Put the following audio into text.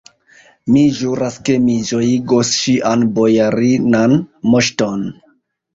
Mi ĵuras, ke mi ĝojigos ŝian bojarinan moŝton!